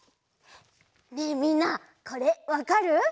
ねえみんなこれわかる？